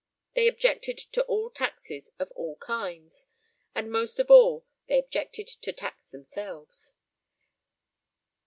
They objected to all taxes of all kinds, and most of all they objected to tax themselves.